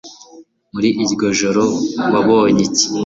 muri iryo joro wabonye iki